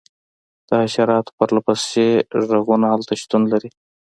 د حشراتو پرله پسې غږونه هلته شتون لري